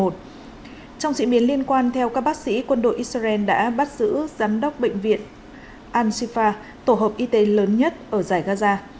trong diễn biến liên quan theo các bác sĩ quân đội israel đã bắt giữ giám đốc bệnh viện ansifa tổ hợp y tế lớn nhất ở giải gaza